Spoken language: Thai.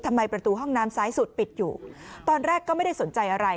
ประตูห้องน้ำซ้ายสุดปิดอยู่ตอนแรกก็ไม่ได้สนใจอะไร